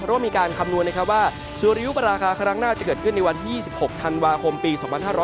เพราะว่ามีการคำนวณว่าสุริยุปราคาครั้งหน้าจะเกิดขึ้นในวันที่๒๖ธันวาคมปี๒๕๖๐